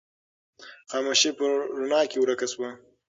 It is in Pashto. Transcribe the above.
خاموشي په رڼا کې ورکه شوه.